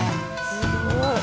すごい。